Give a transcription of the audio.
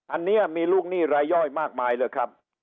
อันนี้มีลูกหนี้รายย่อยมากมายเลยครับ